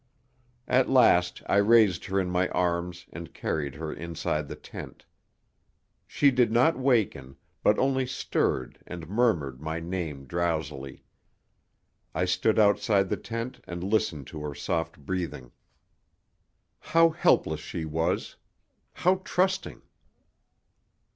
At last I raised her in my arms and carried her inside the tent. She did not waken, but only stirred and murmured my name drowsily. I stood outside the tent and listened to her soft breathing. How helpless she was! How trusting!